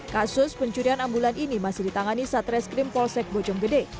kasus pencurian ambulans ini masih ditangani saat reskrim polsek bojong gede